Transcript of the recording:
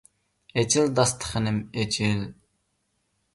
ئېچىل داستىخىنىم ئېچىل!